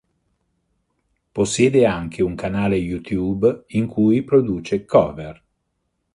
Possiede anche un canale YouTube in cui produce cover.